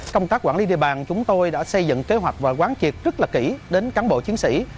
công tác quản lý địa bàn chúng tôi đã xây dựng kế hoạch và quán triệt rất là kỹ đến cán bộ chiến sĩ